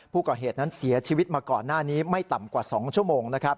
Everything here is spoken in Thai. ผู้ก่อเหตุนั้นเสียชีวิตมาก่อนหน้านี้ไม่ต่ำกว่า๒ชั่วโมง